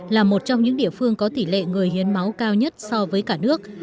là một trong những địa phương có tỷ lệ người hiến máu cao nhất so với cả nước